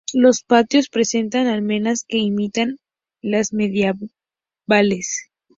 Los patios presentan almenas que imitan las medievales.